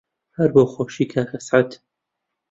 هەر بۆ خۆشی کاک ئەسعەد